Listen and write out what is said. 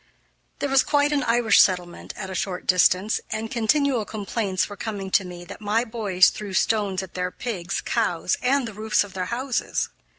There was quite an Irish settlement at a short distance, and continual complaints were coming to me that my boys threw stones at their pigs, cows, and the roofs of their houses.